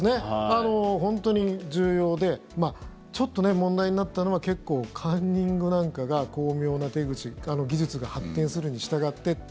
本当に重要でちょっと問題になったのは結構カンニングなんかが巧妙な手口技術が発展するにしたがって。